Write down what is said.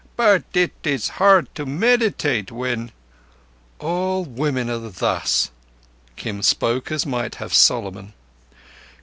But it is hard to meditate when—" "All women are thus." Kim spoke as might have Solomon.